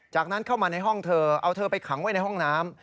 จากนั้นเข้ามาในห้องเธอเอาเธอไปขังไว้ในห้องน้ำ